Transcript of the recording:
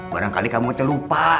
barangkali kamu itu lupa